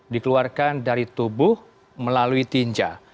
dikeluarkan dari tubuh melalui tinja